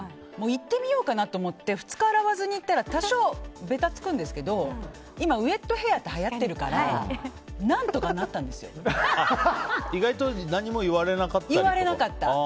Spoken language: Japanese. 行ってみようかなと思って２日、洗わずに行ったら多少、べたつくんですけど今、ウェットヘアーってはやってるから意外と何も言われなかった？